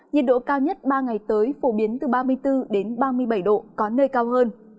nhiệt độ cao nhất ba ngày tới phổ biến từ ba mươi bốn đến ba mươi bảy độ có nơi cao hơn